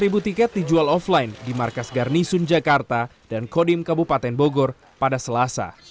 lima ribu tiket dijual offline di markas garnisun jakarta dan kodim kabupaten bogor pada selasa